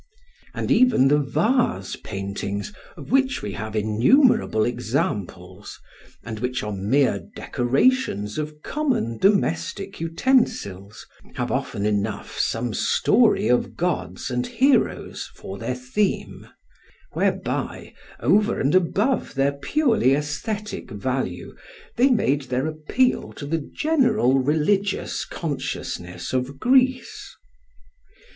And even the vase paintings of which we have innumerable examples, and which are mere decorations of common domestic utensils, have often enough some story of gods and heroes for their theme, whereby over and above their purely aesthetic value they made their appeal to the general religious consciousness of Greece.